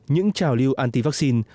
những trào lưu anti vaccine